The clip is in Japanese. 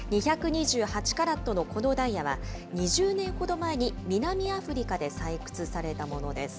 ２２８カラットのこのダイヤは、２０年ほど前に南アフリカで採掘されたものです。